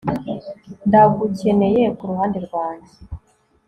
ndagukeneye kuruhande rwanjye